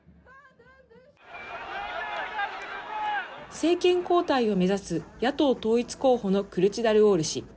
政権交代を目指す野党統一候補のクルチダルオール氏。